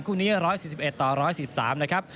คู่นี้๑๔๑ต่อ๑๑๓นะครับ